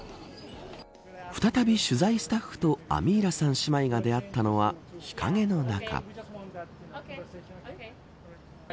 再び、取材スタッフとアミーラさん姉妹が出会ったのは日陰の中。